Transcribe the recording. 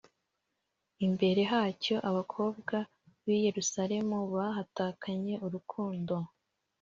imbere hacyo abakobwa b i Yerusalemu bahatakanye urukundo